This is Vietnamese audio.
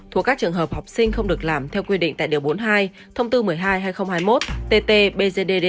thuộc các trường hợp học sinh không được làm theo quy định tại điều bốn mươi hai thông tư một mươi hai hai nghìn hai mươi một tt bgdd